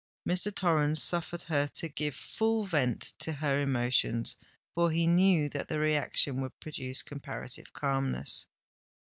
Mr. Torrens suffered her to give full vent to her emotions; for he knew that the reaction would produce comparative calmness.